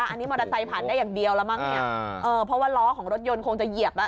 อันนี้มอเตอร์ไซค์ผ่านได้อย่างเดียวแล้วมั้งเนี่ยเออเพราะว่าล้อของรถยนต์คงจะเหยียบแล้ว